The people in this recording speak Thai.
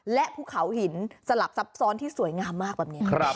และภูเขาหินสลับซับซ้อนที่สวยงามมากแบบนี้